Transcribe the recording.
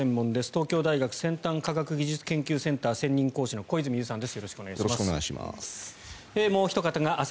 東京大学先端科学技術研究センター専任講師の小泉悠さんです。